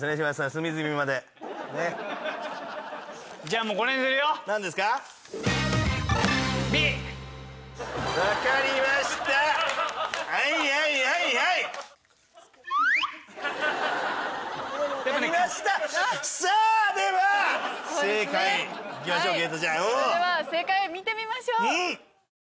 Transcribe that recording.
それでは正解見てみましょう。